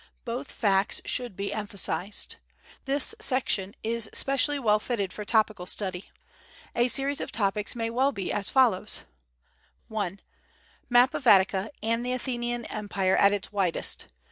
Both facts should be emphasized. This section is specially well fitted for topical study. A series of such topics may well be as follows: 1. Map of Attica and the Athenian Empire at its widest.